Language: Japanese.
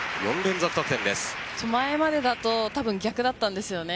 前までだと逆だったんですよね。